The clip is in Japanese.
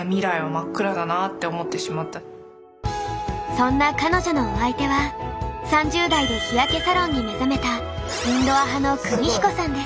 そんな彼女のお相手は３０代で日焼けサロンに目覚めたインドア派の邦彦さんです。